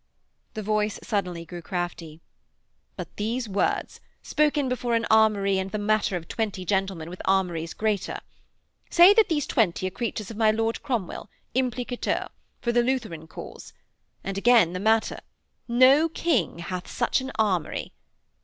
_"' The voice suddenly grew crafty. 'But these words, spoken before an armoury and the matter of twenty gentlemen with armouries greater. Say that these twenty are creatures of my Lord Cromwell, implicitur, for the Lutheran cause. And again, the matter, "_No king hath such an armoury.